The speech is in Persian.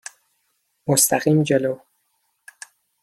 مستقیم جلو.